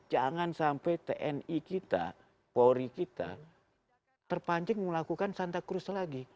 jangan sampai tni kita polri kita terpancing melakukan santa crus lagi